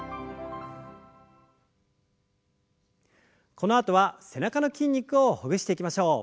このあとは背中の筋肉をほぐしていきましょう。